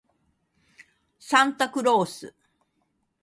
サンタクロース